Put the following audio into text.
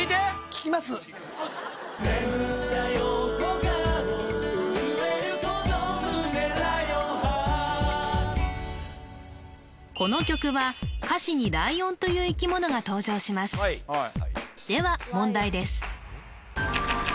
聴きますこの曲は歌詞にライオンという生き物が登場しますでは問題です